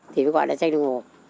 thì mới gọi là tranh đồng hồ